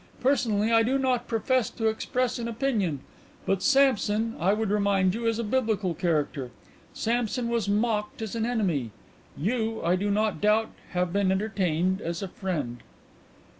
Personally, I do not profess to express an opinion. But Samson, I would remind you, is a Biblical character. Samson was mocked as an enemy. You, I do not doubt, have been entertained as a friend."